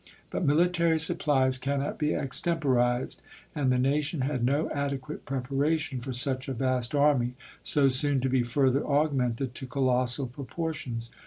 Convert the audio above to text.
But military supplies cannot be extemporized, and the nation had no adequate preparation for such a vast army, so soon to be further augmented to colossal proportions.